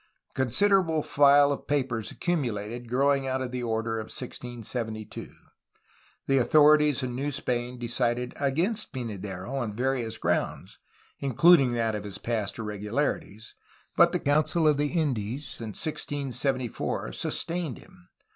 A considerable file of papers accumulated growing out of the order of 1672. The authorities in New Spain decided against Pynadero on various grounds, including that of his past irregularities, but the Council of the Indies in 1674, sustained him.